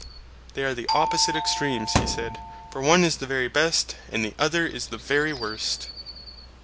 They are the opposite extremes, he said, for one is the very best and the other is the very worst.